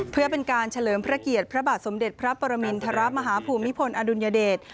เพื่อเป็นการเฉลิมพระเกียรติพระบาทสมเด็จพระปรมินทรมาฮภูมิพลอดุลยเดช